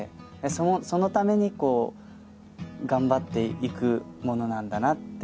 そのために頑張っていくものなんだなって。